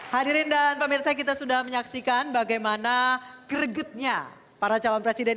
hadirin dan pemirsa kita sudah menyaksikan bagaimana kregetnya para calon presiden